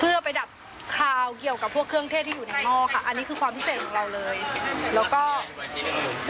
เพื่อไปดับคาวเกี่ยวกับพวกเครื่องเทศที่อยู่ในหม้อค่ะอันนี้คือความพิเศษของเราเลยแล้วก็